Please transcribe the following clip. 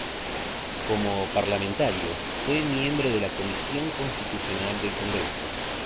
Como parlamentario, fue miembro de la Comisión Constitucional del Congreso.